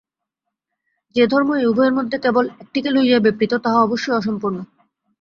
যে ধর্ম এই উভয়ের মধ্যে কেবল একটিকে লইয়াই ব্যাপৃত, তাহা অবশ্যই অসম্পূর্ণ।